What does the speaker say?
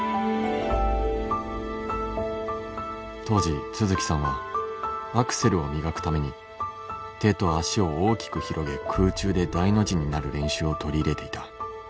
当時都築さんはアクセルを磨くために手と足を大きく広げ空中で大の字になる練習を取り入れていた。